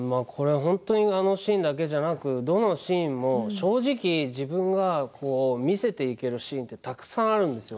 あのシーンだけじゃなくどのシーンも正直見せていけるシーンってたくさんあるんですよ。